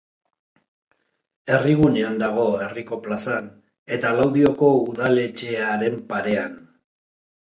Herrigunean dago, Herriko plazan, eta Laudioko udaletxearen parean.